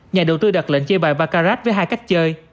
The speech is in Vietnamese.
nhà đầu tư đặt lệnh chơi bài bakarad với hai cách chơi